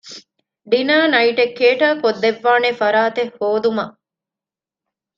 ޑިނަރ ނައިޓެއް ކޭޓަރ ކޮށްދެއްވާނޭ ފަރާތެއް ހޯދުމަށް